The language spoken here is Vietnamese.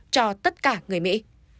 cho tất cả người mỹ